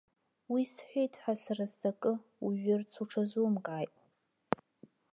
Уи сҳәеит ҳәа сара сзы акы уҩырц уҽазумкааит.